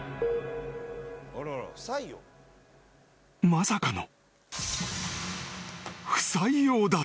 ［まさかの］